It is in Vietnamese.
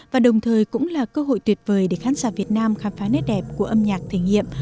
và đồng thời cũng là cơ hội tuyệt vời để khán giả việt nam khám phá nét đẹp của âm nhạc thể nghiệm